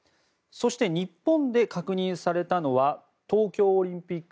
そして、日本で確認されたのは東京オリンピック